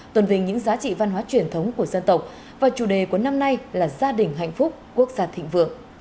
tuần vinh những giá trị văn hóa truyền thống của dân tộc và chủ đề của năm nay là gia đình hạnh phúc quốc gia thịnh vượng